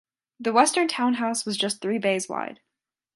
The western town house was just three bays wide.